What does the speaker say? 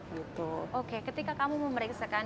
gitu oke ketika kamu memeriksakan